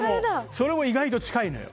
それも意外と近いのよ。